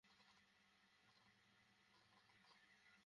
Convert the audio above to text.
Television camera zoom করে যখন তাঁর মুখটা ধরল, একটু বিস্মিত হতে হলো।